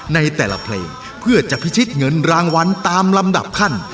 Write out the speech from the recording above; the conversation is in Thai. ในแต่ละเพลงเพื่อจะพิชิตเงินรางวัลตามลำดับขั้น